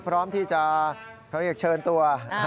พร้อมที่จะเขาเรียกเชิญตัว